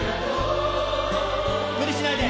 無理しないで。